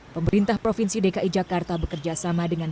pemerintah provinsi dki jakarta bekerja sama dengan